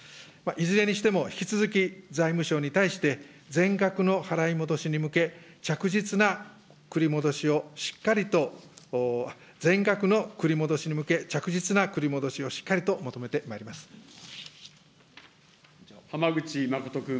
いずれにしても、引き続き財務省に対して、全額の払い戻しに向け、着実な繰り戻しをしっかりと全額の繰り戻しに向け、着実な繰り戻浜口誠君。